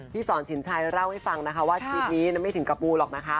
สอนสินชัยเล่าให้ฟังนะคะว่าชีวิตนี้ไม่ถึงกับปูหรอกนะคะ